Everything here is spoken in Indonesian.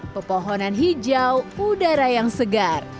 pepohonan hijau udara yang segar